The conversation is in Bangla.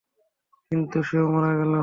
কিন্তু সেও মারা গেল।